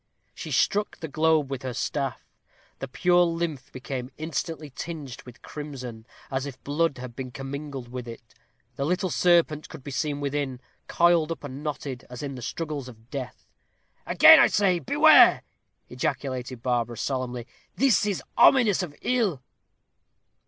She struck the globe with her staff. The pure lymph became instantly tinged with crimson, as if blood had been commingled with it. The little serpent could be seen within, coiled up and knotted, as in the struggles of death. "Again I say, beware!" ejaculated Barbara, solemnly. "This is ominous of ill."